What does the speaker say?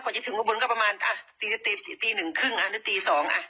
ก่อนจะถึงข้างบนก็ประมาณตีหนึ่งครึ่งหรือตีสอง